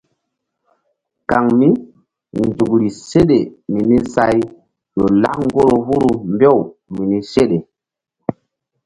Kaŋ mí nzukri seɗe mini say ƴo lak ŋgoro huru mbew mini seɗe.